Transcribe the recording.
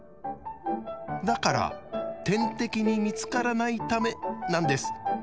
だから天敵に見つからないためなんです。